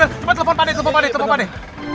coba telepon pak deh telepon pak deh